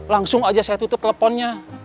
langsung aja saya tutup teleponnya